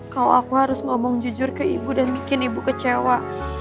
kalau aku harus ngomong jujur ke ibu dan bikin ibu kecewa